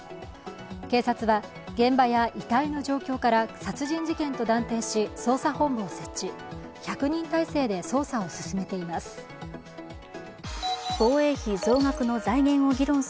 警察は現場や遺体の状況から殺人事件と断定し捜査本部を設置、１００人態勢で捜査を進めています。